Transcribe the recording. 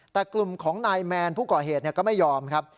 แต่กลุ่มของนายแมนผู้ก่อเหตุก็ไม่ยอมครับ